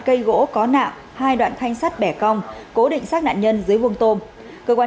cây gỗ có nạ hai đoạn thanh sắt bẻ cong cố định sát nạn nhân dưới vuông tôm cơ quan